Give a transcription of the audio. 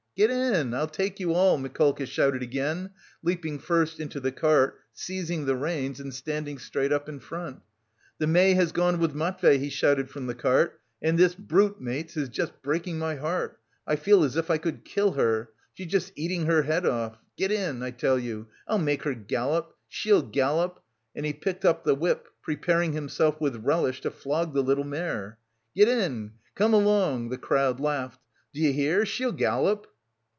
"Get in, I'll take you all," Mikolka shouted again, leaping first into the cart, seizing the reins and standing straight up in front. "The bay has gone with Matvey," he shouted from the cart "and this brute, mates, is just breaking my heart, I feel as if I could kill her. She's just eating her head off. Get in, I tell you! I'll make her gallop! She'll gallop!" and he picked up the whip, preparing himself with relish to flog the little mare. "Get in! Come along!" The crowd laughed. "D'you hear, she'll gallop!"